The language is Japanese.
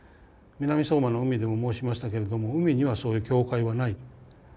南相馬の海でも申しましたけれども海にはそういう境界はない。